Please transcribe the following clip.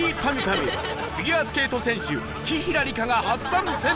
ゅフィギュアスケート選手紀平梨花が初参戦！